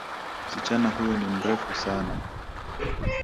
Msichana huyu ni mrefu sana.